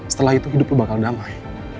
setelah itu hidup lo bakal damai